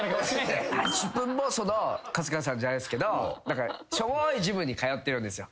自分もその春日さんじゃないっすけどしょぼいジムに通ってるんですよ。